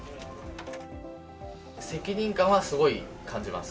責任感はすごい感じます。